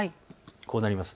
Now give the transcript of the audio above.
こうなります。